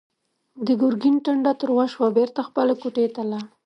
د ګرګين ټنډه تروه شوه، بېرته خپلې کوټې ته لاړ.